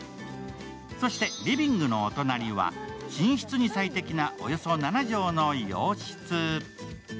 そしてリビングのお隣は寝室に最適なおよそ７畳の洋室。